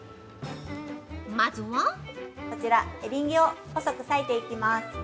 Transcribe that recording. まずは◆こちら、エリンギを細く裂いていきます。